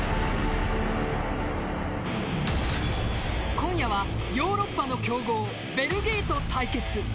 今夜はヨーロッパの強豪ベルギーと対決。